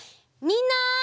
みんな！